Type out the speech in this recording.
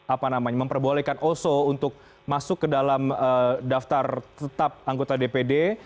apa namanya memperbolehkan oso untuk masuk ke dalam daftar tetap anggota dpd